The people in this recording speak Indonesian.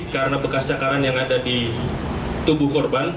karena bekas cakaran yang ada di tubuh korban